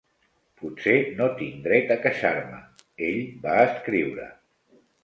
"Potser no tinc dret a queixar-me", ell va escriure.